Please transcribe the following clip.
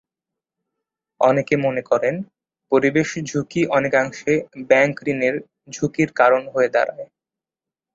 অনেকে মনে করেন, পরিবেশ ঝুঁকি অনেকাংশে ব্যাংক ঋণের ঝুঁকির কারণ হয়ে দাঁড়ায়।